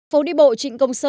phố đi bộ trịnh công nghiệp